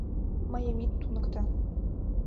Мыйым ит туныкто.